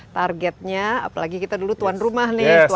targetnya apalagi kita dulu tuan rumah nih